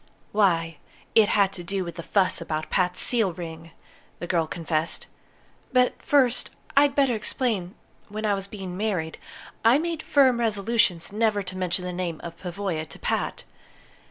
"Why, it had to do with the fuss about Pat's seal ring," the girl confessed. "But first, I'd better explain that when I was being married, I made firm resolutions never to mention the name of Pavoya to Pat.